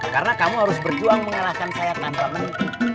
karena kamu harus berjuang mengalahkan saya tanpa menteri